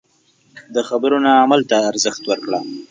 د خبرو نه عمل ته ارزښت ورکړه.